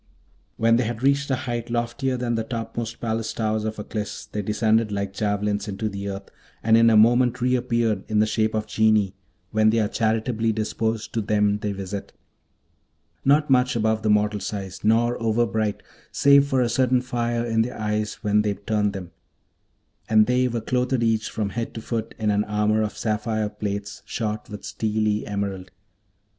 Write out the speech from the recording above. When they had reached a height loftier than the topmost palace towers of Aklis, they descended like javelins into the earth, and in a moment re appeared, in the shape of Genii when they are charitably disposed to them they visit; not much above the mortal size, nor overbright, save for a certain fire in their eyes when they turned them; and they were clothed each from head to foot in an armour of sapphire plates shot with steely emerald.